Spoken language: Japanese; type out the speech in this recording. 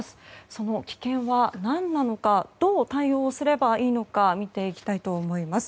その危険は何なのかどう対応すればいいのか見ていきたいと思います。